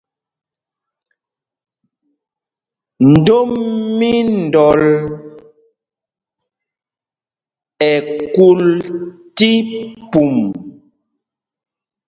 Ndom mí Ndɔl ɛ kul tí pum.